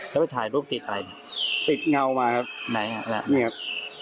ถ้าไปถ่ายรูปติดอะไรติดเงามาครับ